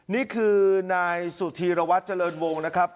นี่คือนายสุธีรวัตรเจริญวงนะครับ